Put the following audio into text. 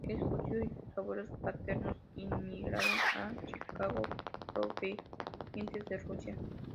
Es judío y sus abuelos paternos inmigraron a Chicago provenientes de Rusia.